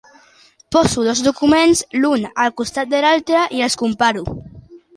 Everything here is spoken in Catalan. Poso dos documents l'un al costat de l'altre i els comparo.